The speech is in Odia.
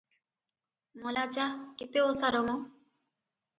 ମଲା ଯା - କେତେ ଓସାର ମ!